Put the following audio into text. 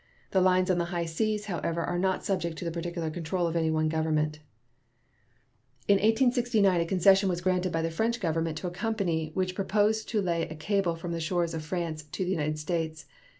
The lines on the high seas, however, are not subject to the particular control of any one government. In 1869 a concession was granted by the French Government to a company which proposed to lay a cable from the shores of France to the United States.